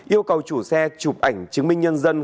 yêu cầu chủ xe chụp ảnh chứng minh nhân dân